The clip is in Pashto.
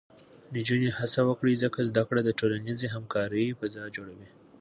نجونې هڅه وکړي، ځکه زده کړه د ټولنیزې همکارۍ فضا جوړوي.